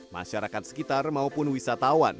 masyarakat sekitar maupun wisatawan